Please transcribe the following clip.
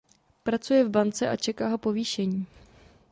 Pracuje v bance a čeká ho povýšení.